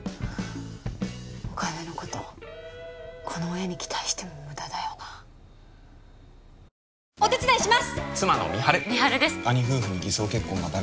お金のことこの親に期待しても無駄だよなお願いします！